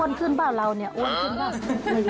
ขึ้นเปล่าเราเนี่ยอ้วนขึ้นเปล่า